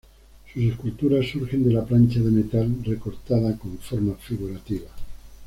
Sus esculturas surgen de la plancha de metal recortada con formas figurativas.